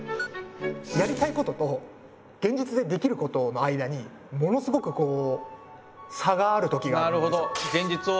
やりたいことと現実でできることの間にものすごくこう差がある時があるんですよ。